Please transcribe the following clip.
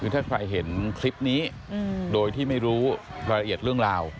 คือถ้าใครเห็นคลิปนี้โดยที่ไม่รู้รายละเอียดเรื่องราว